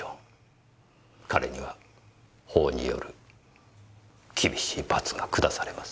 彼には法による厳しい罰が下されます。